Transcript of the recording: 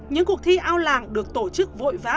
những cuộc thi ao làng được tổ chức vội vã